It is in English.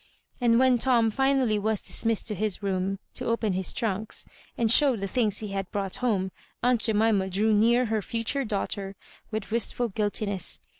And when Tom finally was dis missed to his room, to open his trunks, and show the things he had brought home, aunt Jemima drew near her future daughter with wistful guiltiness.